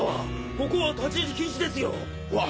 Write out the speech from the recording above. ここは立ち入り禁止ですよ！わ